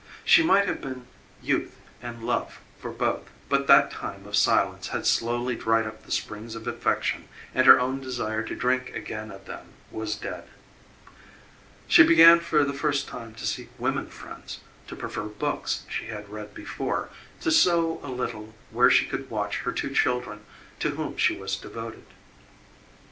She might have been youth and love for both but that time of silence had slowly dried up the springs of affection and her own desire to drink again of them was dead. She began for the first time to seek women friends, to prefer books she had read before, to sew a little where she could watch her two children to whom she was devoted.